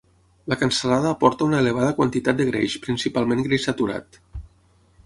La cansalada aporta una elevada quantitat de greix principalment greix saturat.